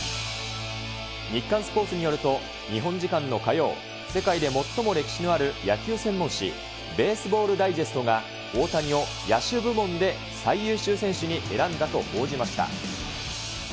日刊スポーツによると、日本時間の火曜、世界で最も歴史のある野球専門誌、ベースボール・ダイジェストが大谷を野手部門で最優秀選手に選んだと報じました。